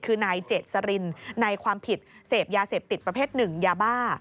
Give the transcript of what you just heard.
คือนายเจษรินในความผิดเสพยาเสพติดประเภทหนึ่งยาบ้า